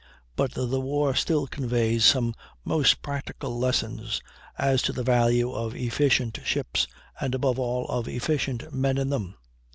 But the war still conveys some most practical lessons as to the value of efficient ships and, above all, of efficient men in them.